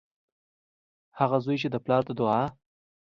هغه زوی چې د پلار د دعا